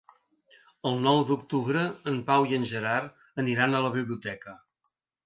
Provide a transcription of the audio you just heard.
El nou d'octubre en Pau i en Gerard aniran a la biblioteca.